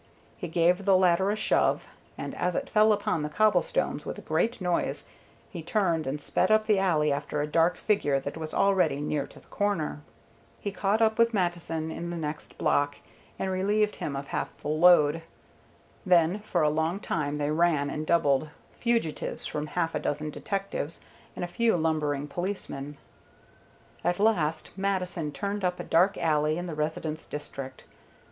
He gave the ladder a shove, and as it fell upon the cobblestones with a great noise, he turned and sped up the alley after a dark figure that was already near to the corner. He caught up with Mattison in the next block, and relieved him of half the load. Then for a long time they ran and doubled, fugitives from half a dozen detectives and a few lumbering policemen. At last Mattison turned up a dark alley in the residence district.